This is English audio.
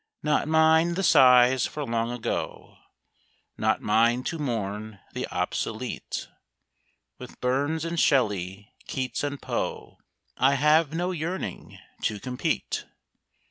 Not mine the sighs for Long Ago; Not mine to mourn the obsolete; With Burns and Shelley, Keats and Poe I have no yearning to compete.